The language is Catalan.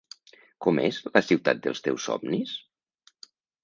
Com és la ciutat dels teus somnis?